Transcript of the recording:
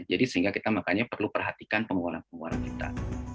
jadi sehingga kita makanya perlu perhatikan pengeluaran pengeluaran kita